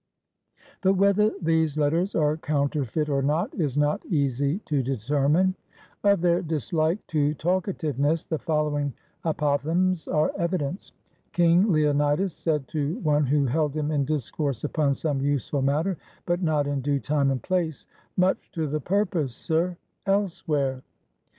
But whether these letters are counterfeit or not is not easy to determine. 46 HOW THE SPARTAN BOYS WERE TRAINED Of their dislike to talkativeness, the following apoph thegms are evidence. King Leonidas said to one who held him in discourse upon some useful matter, but not in due time and place, "Much to the purpose, sir, else where."